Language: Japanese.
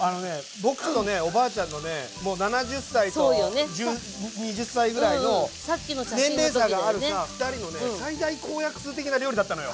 僕とねおばあちゃんのねもう７０歳と２０歳ぐらいの年齢差がある２人のね最大公約数的な料理だったのよ。